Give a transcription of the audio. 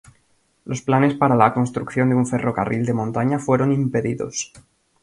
Los planes para la construcción de un ferrocarril de montaña fueron impedidos.